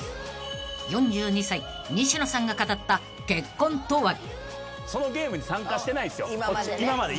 ［４２歳西野さんが語った結婚とは？］